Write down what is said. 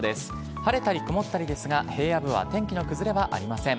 晴れたり曇ったりですが、平野部は天気の崩れはありません。